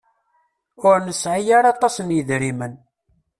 Ur nesɛi ara aṭas n yidrimen.